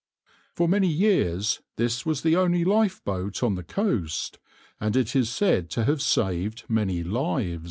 For many years this was the only lifeboat on the coast, and it is said to have saved many lives.